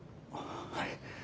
はい。